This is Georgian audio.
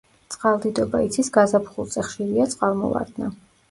წყალდიდობა იცის გაზაფხულზე, ხშირია წყალმოვარდნა.